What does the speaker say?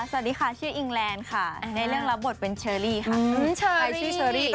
สวัสดีค่ะชื่ออิงแรนค่ะในเรื่องรับบทเป็นเชอรี่ค่ะ